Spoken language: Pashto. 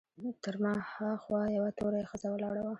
تر ما هاخوا یوه تورۍ ښځه ولاړه وه.